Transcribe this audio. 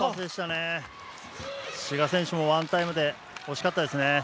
志賀選手もワンタイムで惜しかったですね。